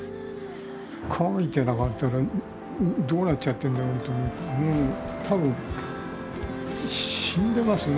描いてなかったらどうなっちゃってんだろうと思うと多分死んでますね